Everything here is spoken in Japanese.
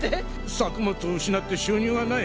作物を失って収入がない。